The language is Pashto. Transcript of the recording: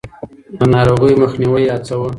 د ناروغيو مخنيوی يې هڅاوه.